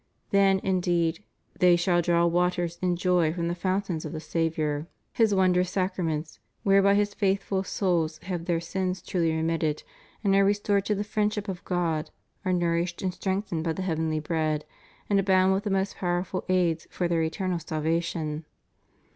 Then indeed "they shall draw waters in joy from the fountains of the Saviour, ^^ His won drous sacraments, whereby His faithful souls have their sins truly remitted, and are restored to the friendship of God, are nourished and strengthened by the heavenly Bread, and abound with the most powerful aids for their eternal salvation.